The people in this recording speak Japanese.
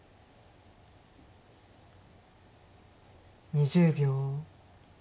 ２０秒。